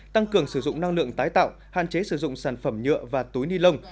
tăng cường sử dụng năng lượng tái tạo hạn chế sử dụng sản phẩm nhựa và túi ni lông